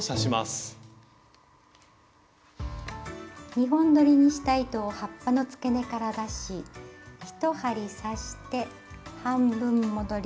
２本どりにした糸を葉っぱのつけ根から出し１針刺して半分戻り。